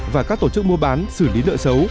và các tổ chức mua bán xử lý nợ xấu